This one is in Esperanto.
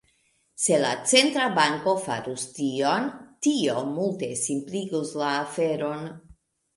Se la centra banko farus tion, tio multe simpligus la aferon.